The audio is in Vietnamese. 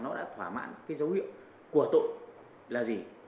rõ ràng nó đã thỏa mãn cái dấu hiệu của tội là gì